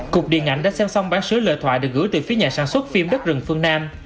cục điện ảnh đã xem xong bản xứ lệ thoại được gửi từ phía nhà sản xuất phim đất rừng phương nam